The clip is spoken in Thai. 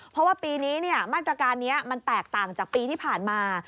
เพราะว่าปีนี้มาตรการนี้มันแตกต่างจากปีที่ผ่านมา